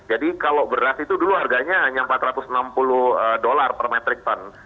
jadi kalau beras itu dulu harganya hanya empat ratus enam puluh per metric ton